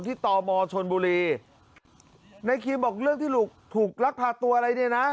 ตมชนบุรีนายครีมบอกเรื่องที่ลูกถูกลักพาตัวอะไรเนี่ยนะ